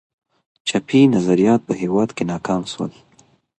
چپي نظریات په هېواد کي ناکام سول.